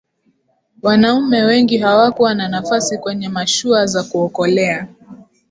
wanaume wengi hawakuwa na nafasi kwenye mashua za kuokolea